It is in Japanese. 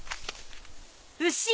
うし！